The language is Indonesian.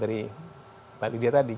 ya jadi sesuai meminjam istilahnya